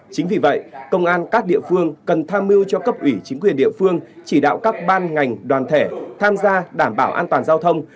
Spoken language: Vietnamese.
chính vì vậy công an các địa phương cần tham mưu cho cấp ủy chính quyền địa phương chỉ đạo các ban ngành đoàn thể tham gia đảm bảo an toàn giao thông